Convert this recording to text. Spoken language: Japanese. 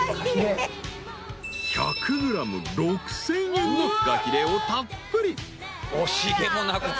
［１００ｇ６，０００円のフカヒレをたっぷり］